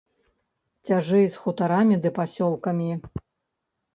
Цяжэй з хутарамі ды пасёлкамі.